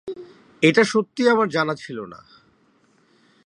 এটা সত্যিই আমার জন্য ছিল না।